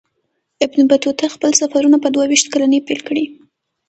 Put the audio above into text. ابن بطوطه خپل سفرونه په دوه ویشت کلنۍ پیل کړي.